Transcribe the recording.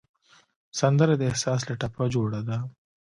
سندره د احساس له ټپه جوړه ده